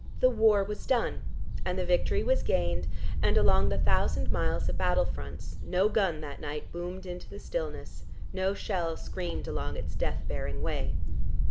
The war was done, and the victory was gained, and along the thousand miles of battle fronts no gun that night boomed into the stillness, no shell screamed along its death bearing way.